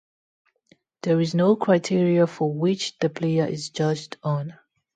There is no criteria for which the player is judged on.